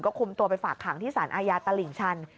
ก็คลุมตัวไปฝากหางที่ศาลอายาตลิ่งชัน